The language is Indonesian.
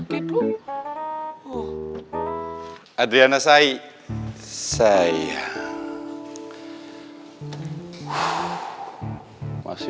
kamu sedang holmes